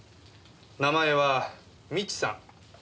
名前は未知さん。